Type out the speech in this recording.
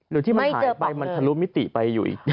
หรือที่มันหายไปมันทะลุมิติไปอยู่อีก